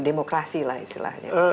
demokrasi lah istilahnya